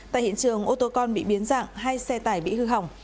tại hiện trường ô tô con bị biến dạng hai xe tải bị hư hỏng